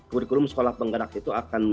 kurikulum sekolah penggerak itu akan